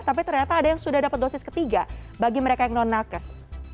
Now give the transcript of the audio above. tapi ternyata ada yang sudah dapat dosis ketiga bagi mereka yang non nakes